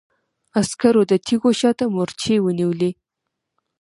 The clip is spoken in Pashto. عسکرو د تيږو شا ته مورچې ونيولې.